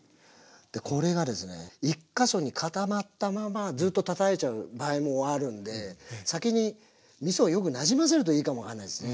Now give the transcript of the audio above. これがですね１か所に固まったままずっとたたいちゃう場合もあるんで先にみそをよくなじませるといいかも分かんないですね。